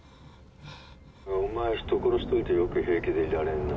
お前、人殺しといてよく平気でいられるな。